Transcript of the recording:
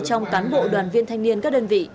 trong cán bộ đoàn viên thanh niên các đơn vị